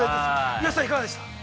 善しさん、いかがでした？